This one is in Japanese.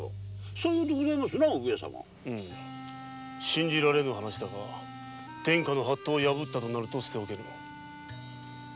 信じられぬ話だが天下の法度を破ったとなると捨ててはおけぬ。